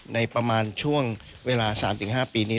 ประมาณช่วงเวลา๓๕ปีนี้